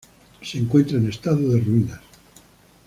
Se encuentra en estado de ruinas.